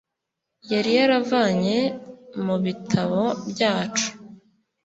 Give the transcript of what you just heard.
yari yaravanye mu bitabo byacu